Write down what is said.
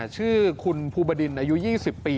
ชื่อคุณภูบดินอายุ๒๐ปี